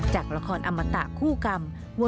จากละครอมตะคู่กรรม